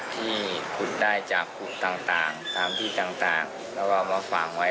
ที่ขุดได้จากขุดต่างตามที่ต่างแล้วก็เอามาฝากไว้